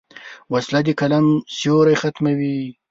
وسله د قلم سیوری ختموي